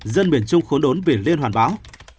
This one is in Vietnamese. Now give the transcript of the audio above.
dân miền trung khốn đốn vì liên hoàn báo